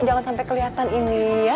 jangan sampai kelihatan ini ya